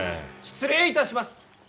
失礼いたします。